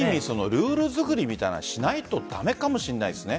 ルール作りみたいなことをしないと駄目かもしれませんね。